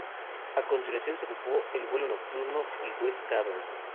A continuación se ocupó de Vuelo nocturno y Wes Craven.